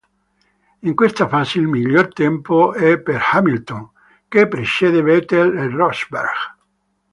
In questa fase il miglior tempo è per Hamilton, che precede Vettel e Rosberg.